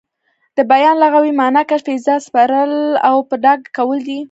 د بیان لغوي مانا کشف، ايضاح، سپړل او په ډاګه کول دي.